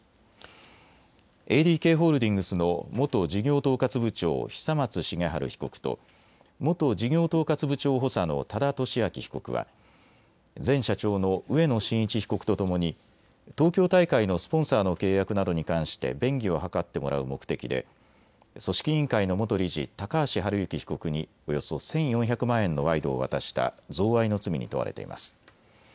ＡＤＫホールディングスの元事業統括部長、久松茂治被告と元事業統括部長補佐の多田俊明被告は前社長の植野伸一被告とともに東京大会のスポンサーの契約などに関して便宜を図ってもらう目的で組織委員会の元理事、高橋治之被告におよそ１４００万円の賄賂を渡した贈賄の罪に問われています。